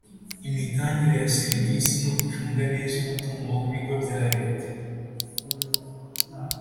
imitangire ya serivisi no gucunga neza umutungo w ibigo bya Leta